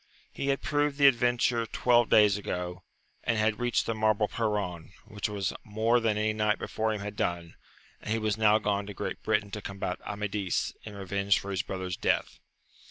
He had proved the adventure twelve days ago, and had reached the marble perron, which was more than any knight before him had done, and he was now gone to Great Britain to combat Amadis, in revenge for his brother's death.